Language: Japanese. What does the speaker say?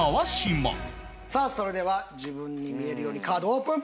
さあそれでは自分に見えるようにカードオープン！